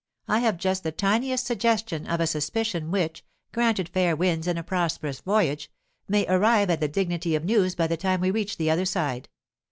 I have just the tiniest suggestion of a suspicion which—granted fair winds and a prosperous voyage—may arrive at the dignity of news by the time we reach the other side.